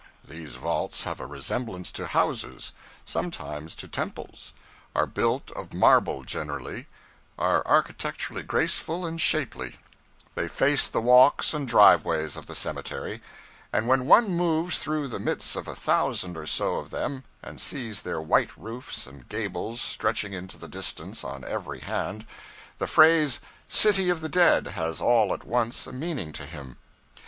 These vaults have a resemblance to houses sometimes to temples; are built of marble, generally; are architecturally graceful and shapely; they face the walks and driveways of the cemetery; and when one moves through the midst of a thousand or so of them and sees their white roofs and gables stretching into the distance on every hand, the phrase 'city of the dead' has all at once a meaning to him.